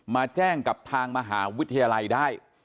มาแจ้งกับทางมหาวิทยาลัยได้